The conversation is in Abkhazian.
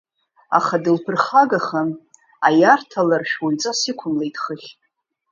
Аха дылԥырхагахан, аиарҭаларшә уаҩҵас иқәымлеит хыхь.